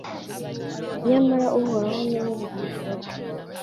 nyamara Uhoraho ni we buhungiro bwe